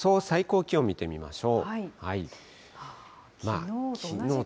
最高気温見てみましょう。